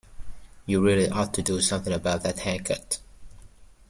You really ought to do something about that haircut.